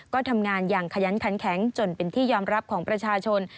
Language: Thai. ก็ทำงานอย่างขยันขันแข็งจนเป็นที่ยอมรับของประชาชน